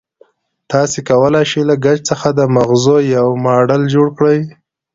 تاسې کولای شئ له ګچ څخه د مغزو یو ماډل جوړ کړئ.